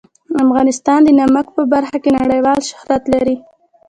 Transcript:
افغانستان د نمک په برخه کې نړیوال شهرت لري.